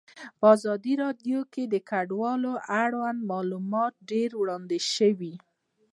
په ازادي راډیو کې د کډوال اړوند معلومات ډېر وړاندې شوي.